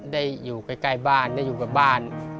ได้อยู่ใกล้บ้านได้อยู่กับบ้าน